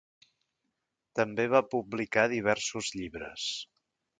També va publicar diversos llibres.